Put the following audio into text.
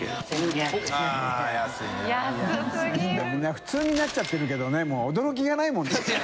普通になっちゃってるけどねもう驚きがないもんね。